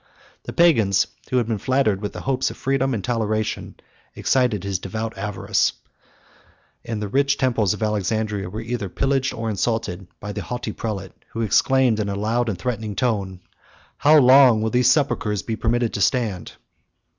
The Pagans, who had been flattered with the hopes of freedom and toleration, excited his devout avarice; and the rich temples of Alexandria were either pillaged or insulted by the haughty prince, who exclaimed, in a loud and threatening tone, "How long will these sepulchres be permitted to stand?"